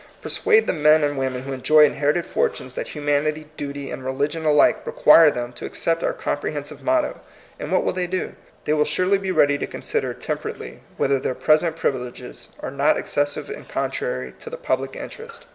Perauade the men and women who enjoy inherited fortunes that humanity, duty, and religion alike require them to accept our comprehensive motto, and what will they do? They will surely be ready to consider temperately whether their present privileges are not excessive and contrary to the public interest.